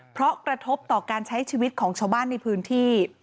เพราะกระทบต่อการใช้ชีวิตของชาวบ้านในพื้นที่